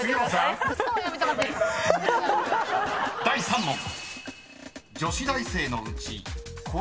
［第３問］